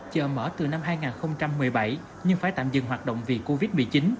chợ mở từ năm hai nghìn một mươi bảy nhưng phải tạm dừng hoạt động vì covid một mươi chín